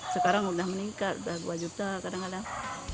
sekarang sudah meningkat sudah dua juta kadang kadang